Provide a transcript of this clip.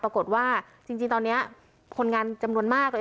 ปรากฏว่าจริงตอนนี้คนงานจำนวนมากเลย